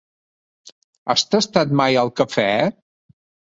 Has tastat mai el cafè?